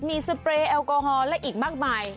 มีสเปรย์แอลกอฮอล์และอีกมากมาย